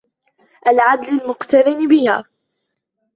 الْعَدْلِ الْمُقْتَرِنِ بِهَا